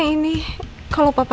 tidak ada hubungannya